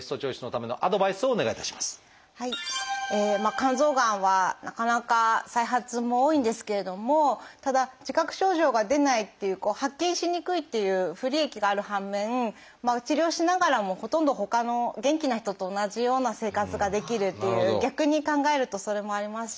肝臓がんはなかなか再発も多いんですけれどもただ自覚症状が出ないっていう発見しにくいっていう不利益がある反面治療しながらもほとんどほかの元気な人と同じような生活ができるっていう逆に考えるとそれもありますし。